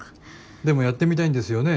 でもやってみたいんですよね？